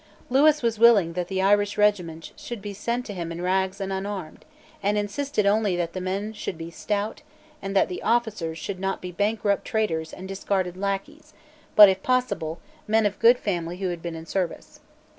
Lewis was willing that the Irish regiments should be sent to him in rags and unarmed, and insisted only that the men should be stout, and that the officers should not be bankrupt traders and discarded lacqueys, but, if possible, men of good family who had seen service.